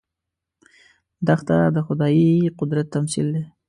دښته د خدايي قدرت تمثیل دی.